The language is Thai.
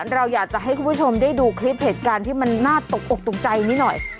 เราอยากจะให้คุณผู้ชมได้ดูคลิปเหตุการณ์ที่มันน่าตกอกตกใจนิดหน่อย